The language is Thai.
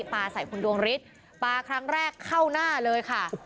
ปลาใส่คุณดวงฤทธิ์ปลาครั้งแรกเข้าหน้าเลยค่ะ